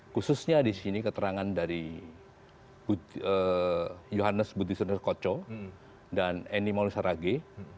khususnya di sini keterangan dari yohannes budisuner koco dan eni maulis harage